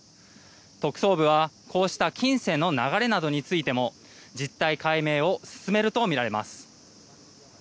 特捜部はこうした金銭の流れなどについても実態解明を進めるとみられます。